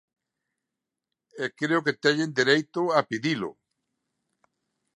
E creo que teñen dereito a pedilo.